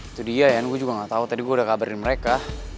itu dia ya gue juga gak tau tadi gue udah kabarin mereka